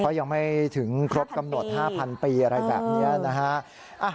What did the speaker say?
ก็ยังไม่ถึงครบกำหนด๕๐๐ปีอะไรแบบนี้นะฮะ